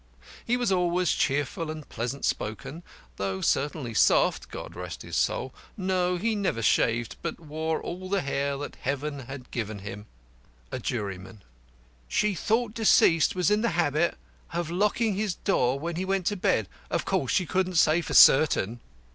He was always cheerful and pleasant spoken, though certainly soft God rest his soul. No; he never shaved, but wore all the hair that Heaven had given him. By a JURYMAN: She thought deceased was in the habit of locking his door when he went to bed. Of course, she couldn't say for certain.